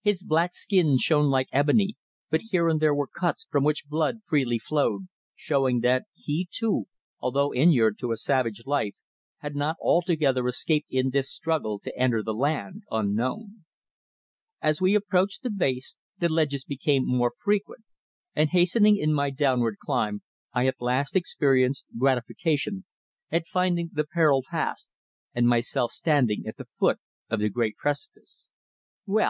His black skin shone like ebony, but here and there were cuts from which blood freely flowed, showing that he too, although inured to a savage life, had not altogether escaped in this struggle to enter the land unknown. As we approached the base the ledges became more frequent, and hastening in my downward climb I at last experienced gratification at finding the peril past, and myself standing at the foot of the great precipice. "Well?"